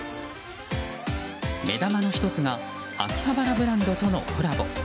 目玉の１つが秋葉原ブランドとのコラボ。